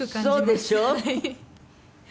そうでしょ？